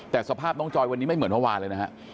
แต่สภาพน้องจอยวันนี้ไม่เหมือนพระวาลเลยนะครับ